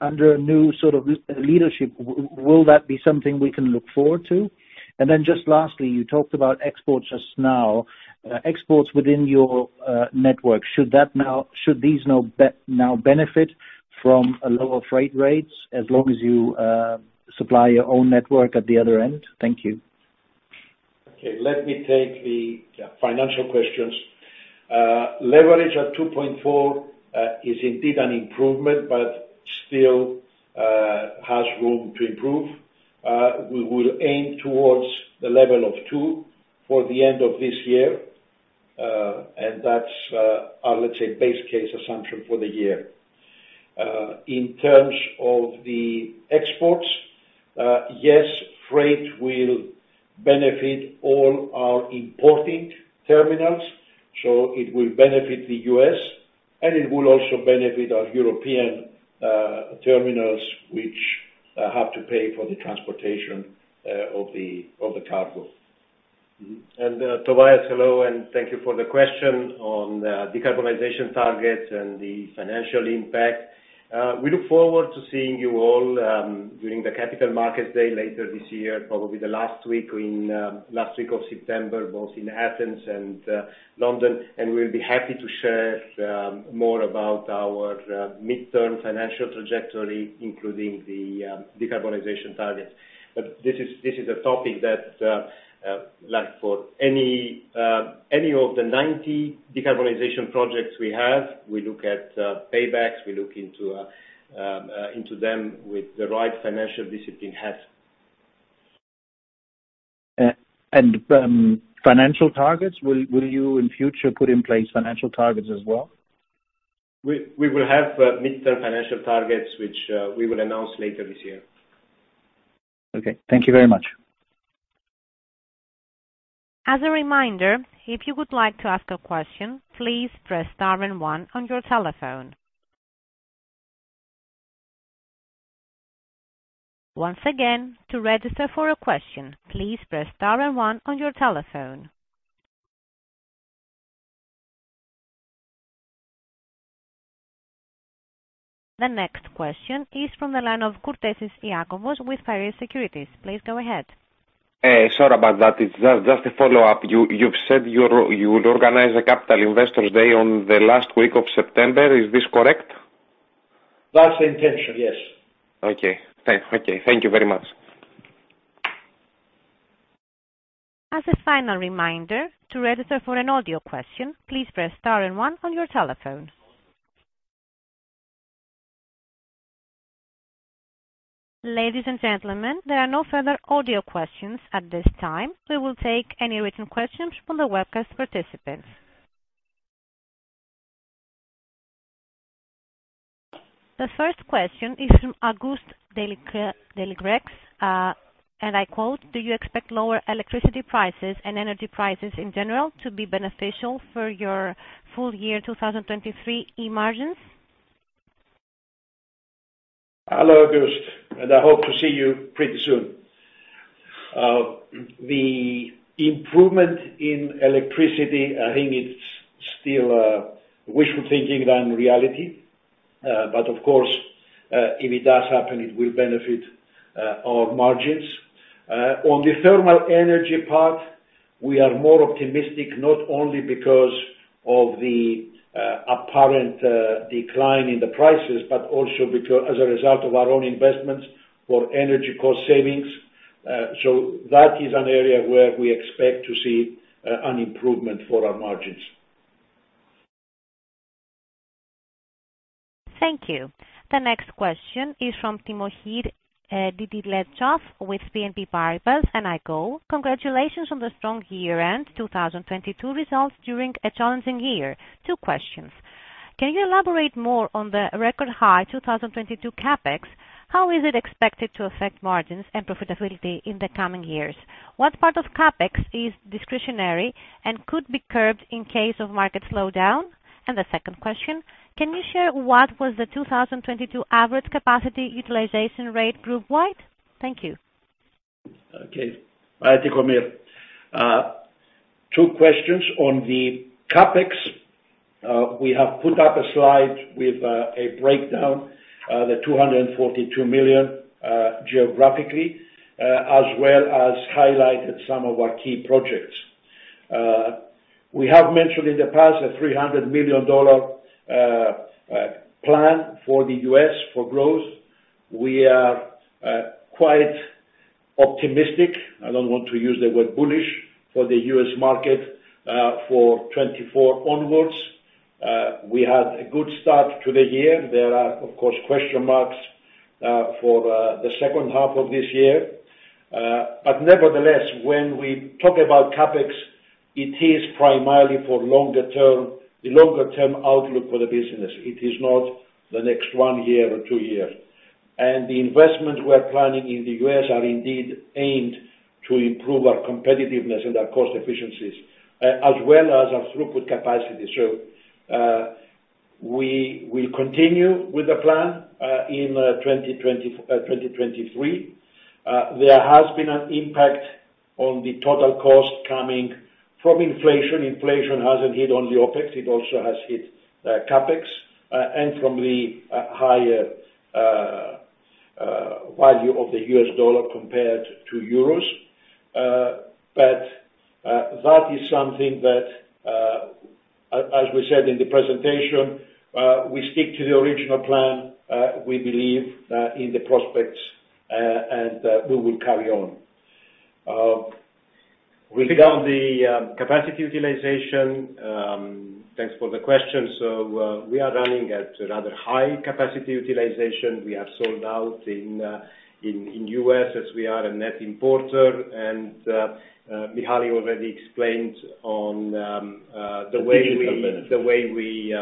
Under a new sort of leadership, will that be something we can look forward to? Just lastly, you talked about exports just now. Exports within your network, should these now benefit from a lower freight rates as long as you supply your own network at the other end? Thank you. Okay, let me take the financial questions. Leverage at 2.4 is indeed an improvement, but still has room to improve. We will aim towards the level of 2 for the end of this year, and that's our, let's say, base case assumption for the year. In terms of the exports, yes, freight will benefit all our importing terminals, so it will benefit the U.S., and it will also benefit our European terminals which have to pay for the transportation of the cargo. Tobias, hello, and thank you for the question on the decarbonization targets and the financial impact. We look forward to seeing you all during the Capital Markets Day later this year, probably the last week in last week of September, both in Athens and London. We'll be happy to share more about our midterm financial trajectory, including the decarbonization targets. This is a topic that like for any of the 90 decarbonization projects we have, we look at paybacks, we look into into them with the right financial discipline has. Financial targets, will you, in future, put in place financial targets as well? We will have midterm financial targets, which we will announce later this year. Okay. Thank you very much. As a reminder, if you would like to ask a question, please press star and 1 on your telephone. Once again, to register for a question, please press star and 1 on your telephone. The next question is from the line of Kortesis Iakovos with Piraeus Securities. Please go ahead. Sorry about that. It's just a follow-up. You've said you'll organize a Capital Markets Day on the last week of September. Is this correct? That's the intention, yes. Okay. Thank you very much. As a final reminder, to register for an audio question, please press star and one on your telephone. Ladies and gentlemen, there are no further audio questions at this time. We will take any written questions from the webcast participants. The first question is from Auguste Delacroix, and I quote, "Do you expect lower electricity prices and energy prices in general to be beneficial for your full year 2023 E margins? Hello, Auguste, and I hope to see you pretty soon. The improvement in electricity, I think it's still wishful thinking than reality. Of course, if it does happen, it will benefit our margins. On the thermal energy part, we are more optimistic, not only because of the apparent decline in the prices, but also as a result of our own investments for energy cost savings. That is an area where we expect to see an improvement for our margins. Thank you. The next question is from Tihomir Didiletsov with BNP Paribas. I go, "Congratulations on the strong year-end 2022 results during a challenging year. Two questions. Can you elaborate more on the record high 2022 CapEx? How is it expected to affect margins and profitability in the coming years? What part of CapEx is discretionary and could be curbed in case of market slowdown?" The second question, "Can you share what was the 2022 average capacity utilization rate group-wide?" Thank you. Okay. All rightie, Tihomir. Two questions on the CapEx. We have put up a slide with a breakdown, the $242 million, geographically, as well as highlighted some of our key projects. We have mentioned in the past a $300 million plan for the U.S. For growth. We are quite optimistic, I don't want to use the word bullish, for the U.S. market for 2024 onwards. We had a good start to the year. There are, of course, question marks for the second half of this year. Nevertheless, when we talk about CapEx, it is primarily for longer term, the longer term outlook for the business. It is not the next 1 year or 2 years. The investments we're planning in the US are indeed aimed to improve our competitiveness and our cost efficiencies, as well as our throughput capacity. We will continue with the plan in 2023. There has been an impact on the total cost coming from inflation. Inflation hasn't hit only OpEx, it also has hit CapEx, and from the higher value of the US dollar compared to euros. That is something that, as we said in the presentation, we stick to the original plan, we believe in the prospects, and we will carry on. With regard the capacity utilization, thanks for the question. We are running at rather high capacity utilization. We are sold out in U.S. as we are a net importer. Mihaly already explained on. The digital... the way we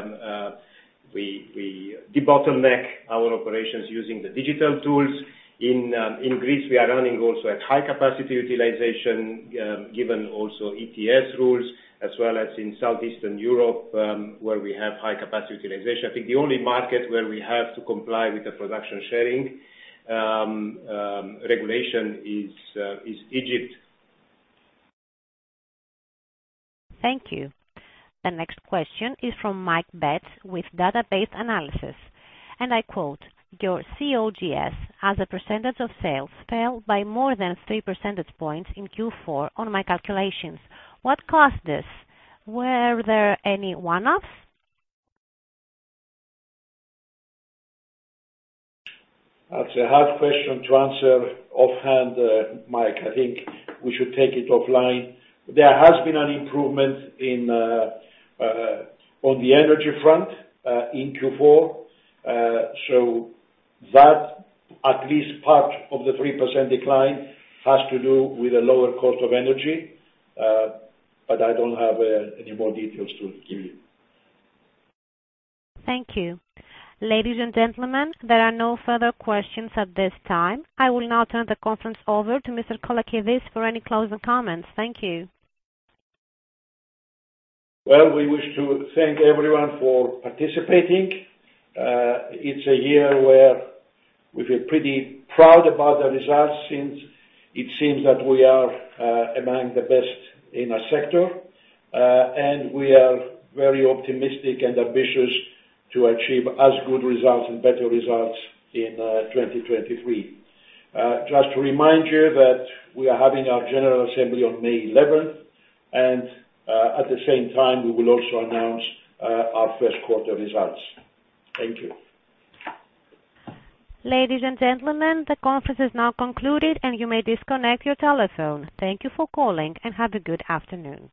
debottleneck our operations using the digital tools. In Greece, we are running also at high capacity utilization, given also ETS rules, as well as in Southeastern Europe, where we have high capacity utilization. I think the only market where we have to comply with the production sharing regulation is Egypt. Thank you. The next question is from Mike Betts with DataBased Analysis. I quote, "Your COGS as a percentage of sales fell by more than 3 percentage points in Q4 on my calculations. What caused this? Were there any one-offs? That's a hard question to answer offhand, Mike. I think we should take it offline. There has been an improvement in on the energy front in Q4. That at least part of the 3% decline has to do with the lower cost of energy, but I don't have any more details to give you. Thank you. Ladies and gentlemen, there are no further questions at this time. I will now turn the conference over to Mr. Colakides for any closing comments. Thank you. Well, we wish to thank everyone for participating. It's a year where we feel pretty proud about the results since it seems that we are among the best in our sector. We are very optimistic and ambitious to achieve as good results and better results in 2023. Just to remind you that we are having our general assembly on May e11t, and at the same time, we will also announce our Q1 results. Thank you. Ladies and gentlemen, the conference is now concluded, and you may disconnect your telephone. Thank you for calling, have a good afternoon.